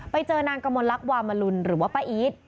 ไปเจอนางกำลังลักษณ์วามรุนหรือว่าป้าอีด